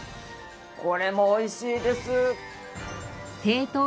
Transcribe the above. これも美味しいです。